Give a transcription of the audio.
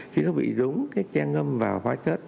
khi nó bị dúng cái che ngâm vào hóa chất